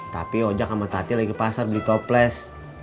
tapi ojak sama tatia lagi pasar beli toples